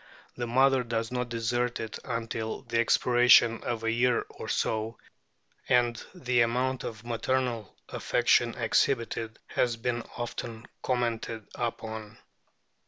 The mother does not desert i o it until the expiration of a year or so, and the amount of maternal affection exhibited has been often com mented upon.